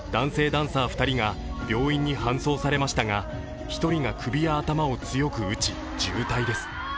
ダンサー２人が病院に搬送されましたが１人が首や頭を強く打ち、重体です。